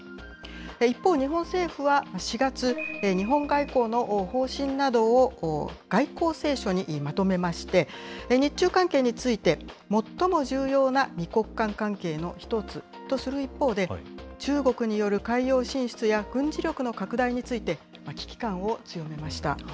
一方、日本政府は４月、日本外交の方針などを外交青書にまとめまして、日中関係について、最も重要な２国間関係の一つとする一方で、中国による海洋進出や軍事力の拡大について、危機感を強めました。